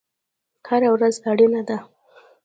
هره ورځ اړینه ده